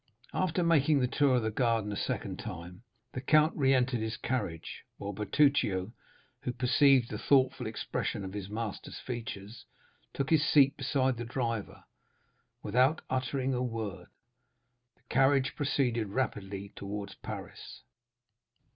After making the tour of the garden a second time, the count re entered his carriage, while Bertuccio, who perceived the thoughtful expression of his master's features, took his seat beside the driver without uttering a word. The carriage proceeded rapidly towards Paris.